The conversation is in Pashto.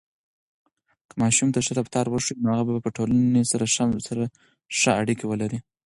که ماشوم ته ښه رفتار وښیو، نو هغه به ټولنې سره ښه اړیکه ولري.